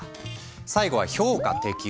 最後は評価適応。